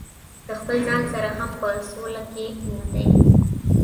د خپل ځان سره هم په سوله کې نه دي.